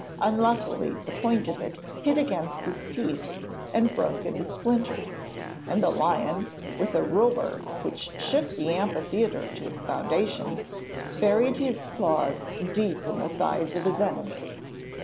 Unluckily the point of it hit against his teeth and broke into splinters, and the lion, with a roar which shook the amphitheatre to its foundation, buried his claws deep in the thighs of his enemy.